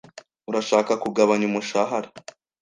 Urashaka kugabanya umushahara?